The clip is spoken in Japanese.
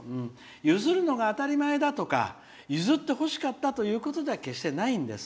「譲るのが当たり前だとか譲ってほしかったということでは決してないんです。